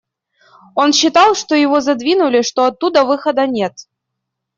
Он считал, что его задвинули, что оттуда выхода нет